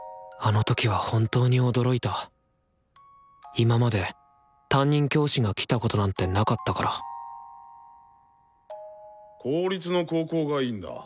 今まで担任教師が来たことなんてなかったから公立の高校がいいんだ？